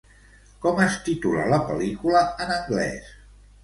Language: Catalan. Com és titula la pel·lícula en anglès?